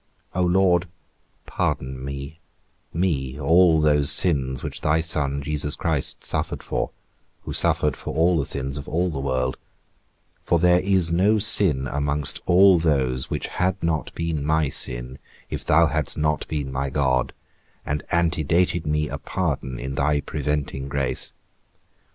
O Lord, pardon me, me, all those sins which thy Son Christ Jesus suffered for, who suffered for all the sins of all the world; for there is no sin amongst all those which had not been my sin, if thou hadst not been my God, and antedated me a pardon in thy preventing grace.